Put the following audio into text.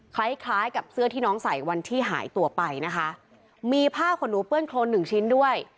คล้ายคล้ายกับเสื้อที่น้องใส่วันที่หายตัวไปนะคะมีผ้าขนหนูเปื้อนโครนหนึ่งชิ้นด้วย